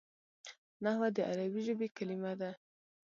نحوه د عربي ژبي کلیمه ده.